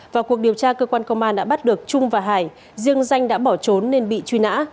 vào cuộc điều tra cơ quan công an đã bắt được trung và hải riêng danh đã bỏ trốn nên bị truy nã